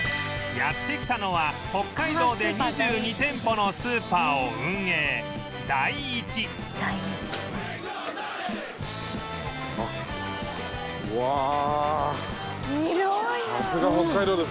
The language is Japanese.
やって来たのは北海道で２２店舗のスーパーを運営ダイイチあっうわあ。